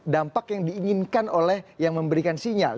dampak yang diinginkan oleh yang memberikan sinyal